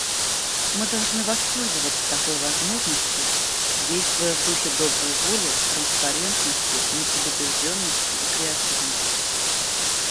Мы должны воспользоваться такой возможностью, действуя в духе доброй воли, транспарентности, непредубежденности и креативности.